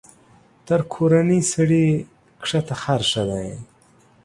تر کورني سړي کښته خر ښه دى.